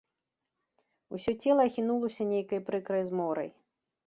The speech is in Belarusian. Усё цела ахінулася нейкай прыкрай зморай.